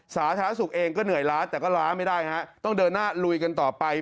สาธารณสุขเองก็เหนื่อยล้าแต่ก็ล้าไม่ได้ฮะต้องเดินหน้าลุยกันต่อไป